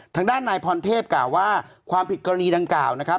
ทางด้านนายพรเทพกล่าวว่าความผิดกรณีดังกล่าวนะครับ